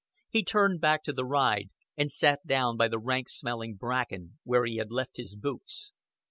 He hurried back to the ride, and sat down by the rank smelling bracken where he had left his boots.